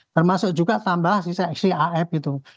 termasuk juga tambah si seksi af gitu